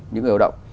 những người lao động